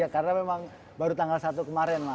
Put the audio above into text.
karena memang baru tanggal satu kemarin